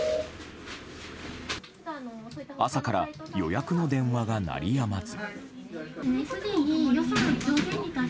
朝から予約の電話が鳴りやまず。